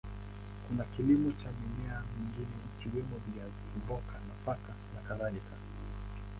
Kuna kilimo cha mimea mingine ikiwemo viazi, mboga, nafaka na kadhalika.